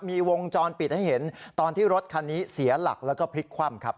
มีวงจรปิดให้เห็นตอนที่รถคันนี้เสียหลักแล้วก็พลิกคว่ำครับ